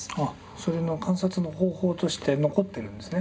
その観察の方法として残ってるんですね。